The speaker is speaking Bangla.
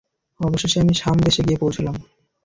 অবশেষে আমি শাম দেশে গিয়ে পৌঁছলাম।